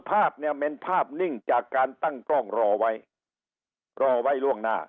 ภาพเนี่ยเป็นภาพนิ่งจากการตั้งกล้องรอไว้รอไว้ล่วงหน้า